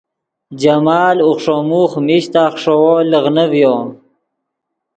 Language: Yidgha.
جمال اوخݰو موخ میش تا خیݰوؤ لیغنے ڤیو